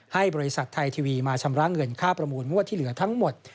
ให้บริษัทไทยทีวีมาชำระเงินค่าประมูลงวดที่เหลือทั้งหมด